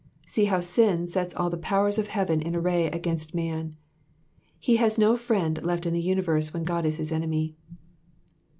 See how sin sets all the powers of heaven in array against man ; he has no friend left in the universe when God is his enemy.